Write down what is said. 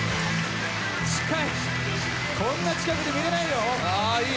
こんな近くで見れないよ！